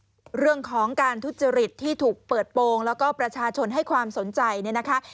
เรื่องของการทุจริตที่ถูกเปิดโปรงแล้วก็ประชาชนให้ความสนใจเนี่ยนะคะ